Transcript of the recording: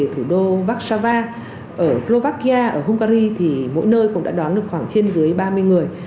thủ đô baxava ở slovakia ở hungary thì mỗi nơi cũng đã đón được khoảng trên dưới ba mươi người